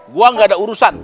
gue gak ada urusan